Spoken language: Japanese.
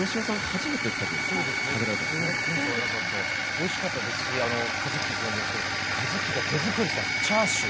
おいしかったですし和樹って呼んでるんですけど和樹が手作りしたチャーシュー。